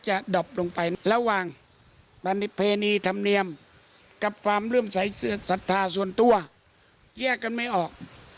เชิญกับความเรื่องศรัทธาส่วนตัวแยกกันไม่ออก